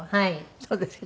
そうですか。